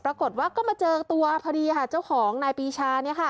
ปรากฏว่าก็เจอตัวพอดีช่องนายปีชา